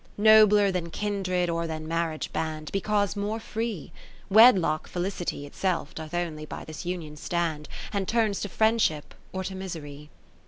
Ill Nobler than kindred or than mar riage band, Because more free ; wedlock feli city Itself doth only by this union stand, And turns to friendship or to misery.